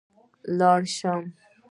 که لاړ شم.